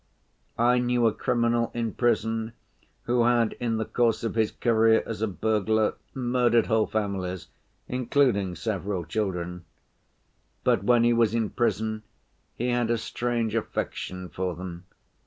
I knew a criminal in prison who had, in the course of his career as a burglar, murdered whole families, including several children. But when he was in prison, he had a strange affection for them.